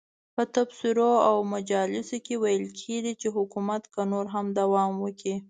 په تبصرو او مجالسو کې ویل کېږي چې حکومت که نور هم دوام وکړي.